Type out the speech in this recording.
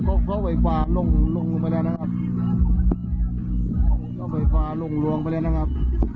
เกาะเว้ยกว่าลงลงไปแล้วนะครับเกาะเว้ยกว่าลงลวงไปแล้วนะครับ